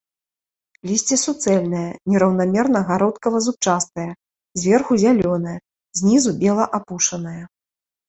Лісце суцэльнае, нераўнамерна гародкава-зубчастае, зверху зялёнае, знізу бела апушанае.